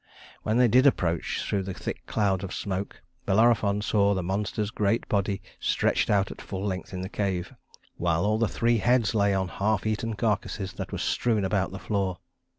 When they did approach through the thick clouds of smoke, Bellerophon saw the monster's great body stretched out at full length in the cave, while all the three heads lay on half eaten carcasses that were strewn about the floor.